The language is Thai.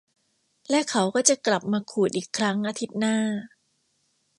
และเขาก็จะกลับมาขูดอีกครั้งอาทิตย์หน้า